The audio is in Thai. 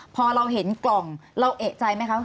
พอเราเห็นกล่องเราเอกใจไหมคะ